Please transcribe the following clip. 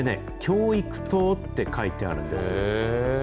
これね、教育塔って書いてあるんです。